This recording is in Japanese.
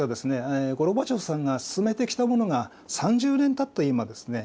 ゴルバチョフさんが進めてきたものが３０年たった今ですね